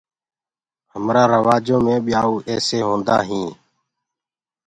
همرآ روآجو مي ٻيائوُ ايسي هوندآ هينٚ